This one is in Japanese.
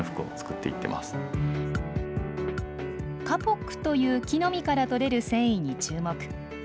カポックという木の実からとれる繊維に注目。